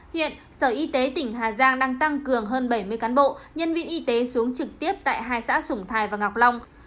hiện sở y tế tỉnh hà giang đang tăng cường hơn bảy mươi cán bộ nhân viên y tế xuống trực tiếp tại hai xã sủng thái và ngọc long